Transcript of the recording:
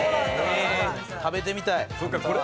食べてみたい。